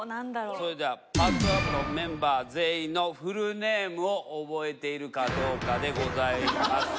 それじゃあパズドラ部のメンバー全員のフルネームを覚えているかどうかでございます。